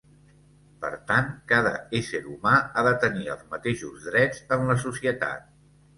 Per tant, cada ésser humà ha de tenir els mateixos drets en la societat.